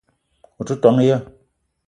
O te ton ya?